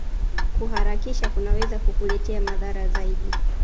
Kuharakisha kunaweza kukuletea madhara zaidi